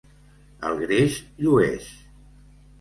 El greix llueix.